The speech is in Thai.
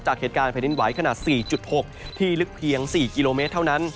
จากเหตุการณ์แผ่นดินไหวขนาด๔๖ที่ลึกเพียง๔กิโลเมตรเท่านั้น